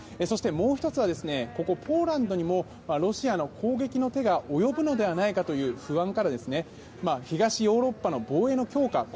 そしてもう１つはここポーランドにもロシアの攻撃の手が及ぶのではないかという不安から東ヨーロッパの防衛の強化